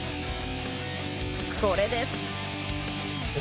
これです。